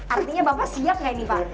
artinya bapak siap gak ini pak